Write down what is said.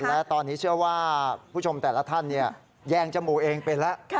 และตอนนี้เชื่อว่าผู้ชมแต่ละท่านแยงจมูกเองเป็นแล้ว